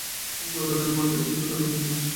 আমাদের, উদ্ধারকৃত প্রাণীদের, একসাথে থাকা উচিত, তাই না?